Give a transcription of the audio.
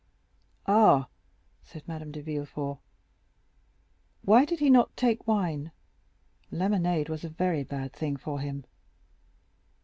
"Ah," said Madame de Villefort, "why did he not take wine? Lemonade was a very bad thing for him."